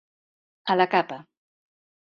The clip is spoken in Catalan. A la capa.